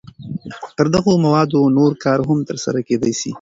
پر دغو موادو نور کار هم تر سره کېدای شي.